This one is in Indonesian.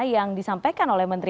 yang disampaikan oleh menteri